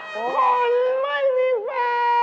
คนไม่มีแฟน